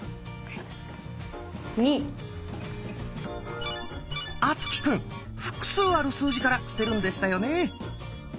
２！敦貴くん複数ある数字から捨てるんでしたよね。